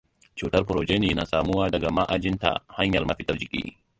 cutar progeny na samuwa daga maajin ta hanyar mafitar jiki.